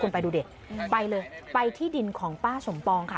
คุณไปดูดิไปเลยไปที่ดินของป้าสมปองค่ะ